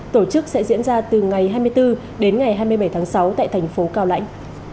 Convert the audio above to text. tổ chức sẽ diễn ra từ ngày hai mươi bốn đến ngày hai mươi bảy tháng sáu tại thành phố cao lãnh